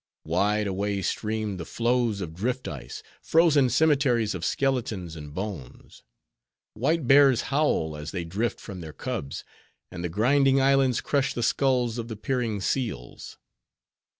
Wide away stream the floes of drift ice, frozen cemeteries of skeletons and bones. White bears howl as they drift from their cubs; and the grinding islands crush the skulls of the peering seals.